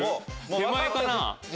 手前かな？